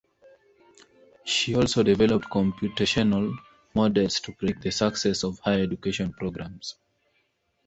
She also developed computational models to predict the success of higher education programs.